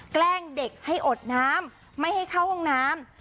แกล้งเด็กให้อดน้ำไม่ให้เข้าห้องน้ำ